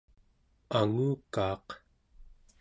angukaaq